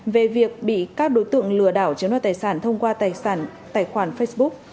về việc bị các đối tượng lừa đảo chiếm đoạt tài sản thông qua tài sản tài khoản facebook